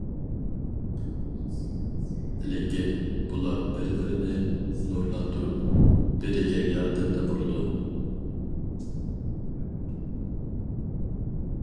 لېكىن، بۇلار بىر-بىرىنى نۇرلاندۇرۇپ، بىرىگە ياردەمدە بولىدۇ.